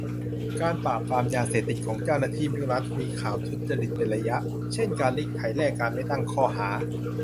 การปราบปรามยาเสพติดของเจ้าหน้าที่รัฐมีข่าวทุจริตเป็นระยะ เช่น การรีดไถแลกการไม่ตั้งข้อหา